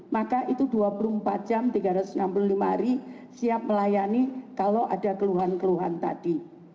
maka itu dua puluh empat jam tiga ratus enam puluh lima hari siap melayani kalau ada keluhan keluhan tadi